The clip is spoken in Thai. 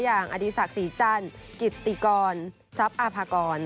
อย่างอดีศักดิ์ศรีจันกิตติกรซับอภากร